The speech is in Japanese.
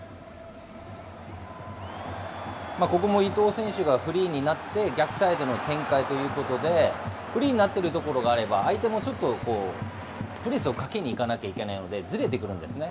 ここも伊東選手がフリーになって、逆サイドの展開ということで、フリーになってるところがあれば、相手もちょっとプレスをかけにいかなきゃいけないので、ずれてくるんですね。